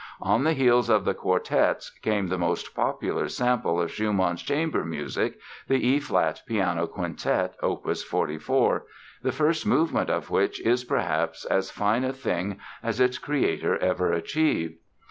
On the heels of the quartets came the most popular sample of Schumann's chamber music, the E flat Piano Quintet, Op. 44, the first movement of which is perhaps as fine a thing as its creator ever achieved.